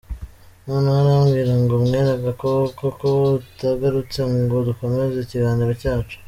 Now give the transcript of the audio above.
Noneho arambwira ngo mwene Gakoko ko utagarutse ngo dukomeza ikiganiro cyacu.